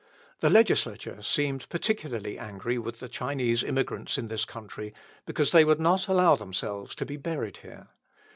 The legislature seemed particularly angry with the Chinese immigrants in this country because they would not allow themselves to be buried here.